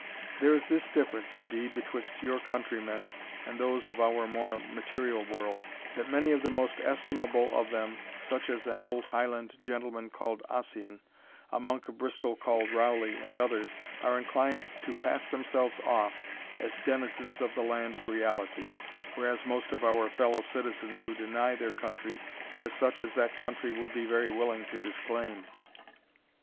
There is this difference, indeed, betwixt your countrymen and those of our more material world, that many of the most estimable of them, such as an old Highland gentleman called Ossian, a monk of Bristol called Rowley, and others, are inclined to pass themselves off as denizens of the land of reality, whereas most of our fellow citizens who deny their country are such as that country would be very willing to disclaim.